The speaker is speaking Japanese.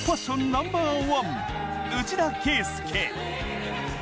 ナンバーワン・内田啓介。